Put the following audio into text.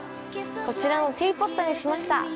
こちらのティーポットにしました。